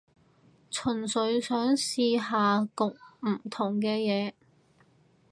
純粹想試下焗唔同嘅嘢